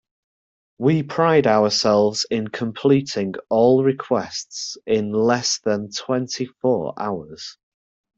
We pride ourselves in completing all requests in less than twenty four hours.